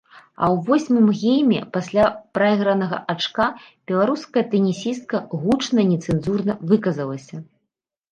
А ў восьмым гейме пасля прайгранага ачка беларуская тэнісістка гучна нецэнзурна выказалася.